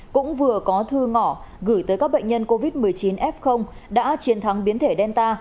cũng vừa có thư ngỏ gửi tới các bệnh nhân covid một mươi chín f đã chiến thắng biến thể delta